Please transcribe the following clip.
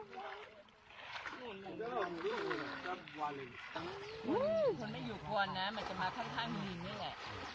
คนไม่อยู่กวนนะมันจะมาข้างนี่แหละ